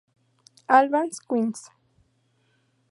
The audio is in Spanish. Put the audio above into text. Albans, Queens.